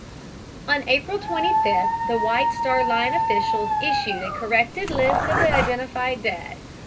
On April 25th the White Star Line officials issued a corrected list of the identified dead.